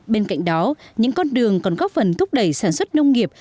bên cạnh đó những con đường còn góp phần thúc đẩy sản xuất nông nghiệp